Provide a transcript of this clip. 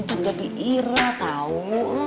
itu gabi ira tau